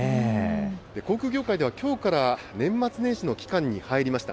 航空業界では、きょうから年末年始の期間に入りました。